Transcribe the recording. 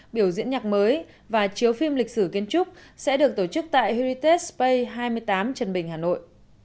biểu diễn nhạc mới và chiếu phim lịch sử kiến trúc sẽ được tổ chức tại huitespay hai mươi tám trần bình hà nội